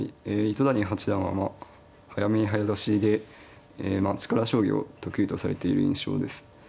糸谷八段は早見え早指しでえまあ力将棋を得意とされている印象です。